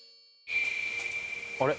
あれ？